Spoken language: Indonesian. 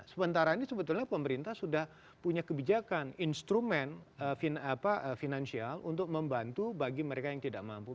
sementara ini sebetulnya pemerintah sudah punya kebijakan instrumen finansial untuk membantu bagi mereka yang tidak mampu